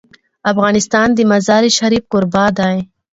افغانستان د مزارشریف کوربه دی.